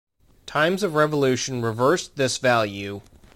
Times of revolution reversed this value.